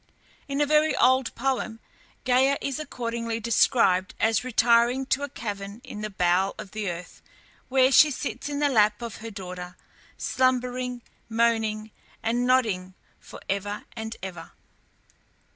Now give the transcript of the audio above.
In a very old poem Gæa is accordingly described as retiring to a cavern in the bowels of the earth, where she sits in the lap of her daughter, slumbering, moaning, and nodding for ever and ever.